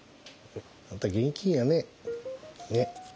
あんた現金やね。ね。